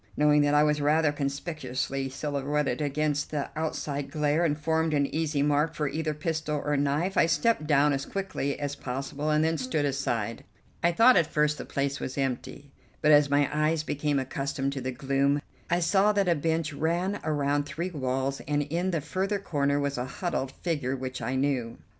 Knowing that I was rather conspicuously silhouetted against the outside glare and formed an easy mark for either pistol or knife, I stepped down as quickly as possible and then stood aside. I thought at first the place was empty, but as my eyes became accustomed to the gloom I saw that a bench ran around three walls and in the further corner was a huddled figure which I knew.